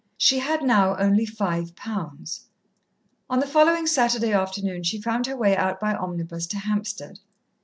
She had now only five pounds. On the following Saturday afternoon she found her way out by omnibus to Hampstead.